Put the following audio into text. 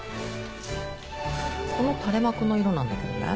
この垂れ幕の色なんだけどね。